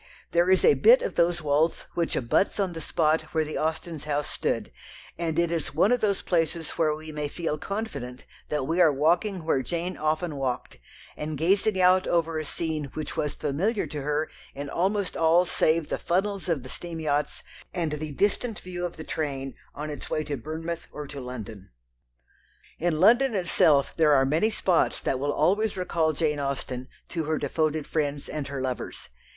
There is a bit of those walls which abuts on the spot where the Austens' house stood, and it is one of the places where we may feel confident that we are walking where Jane often walked, and gazing out over a scene which was familiar to her in almost all save the funnels of the steam yachts and the distant view of the train on its way to Bournemouth or to London. In London itself there are many spots that will always recall Jane Austen to her devoted friends and her lovers.